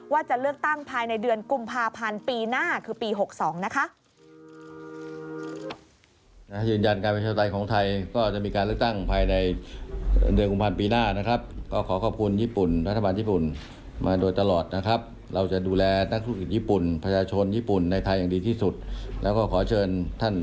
ว่าจะเลือกตั้งภายในเดือนกุมภาพันธุ์ปีหน้า